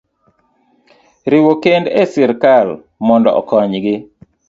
riwo kend e sirkal mondo okonygi.